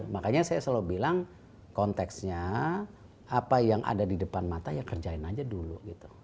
makanya saya selalu bilang konteksnya apa yang ada di depan mata ya kerjain aja dulu gitu